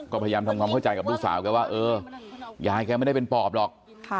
ก็พยายามทำความเข้าใจกับลูกสาวแกว่าเออยายแกไม่ได้เป็นปอบหรอก